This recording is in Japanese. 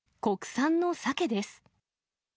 国産のさけです。